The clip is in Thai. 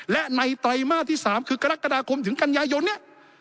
และในไตรมาสที่๓คือกรกฎาคมถึงกันยายนเนี่ย